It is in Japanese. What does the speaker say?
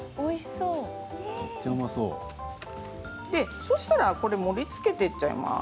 そうしたら盛りつけていっちゃいます。